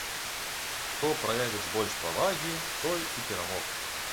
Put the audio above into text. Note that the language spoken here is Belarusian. Хто праявіць больш павагі, той і перамог.